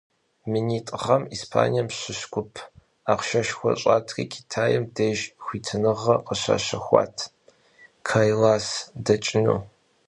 Минитӏ гъэм Испанием щыщ гуп ахъшэшхуэ щӀатри Китайм деж хуитыныгъэ къыщащэхуат Кайлас дэкӀыну.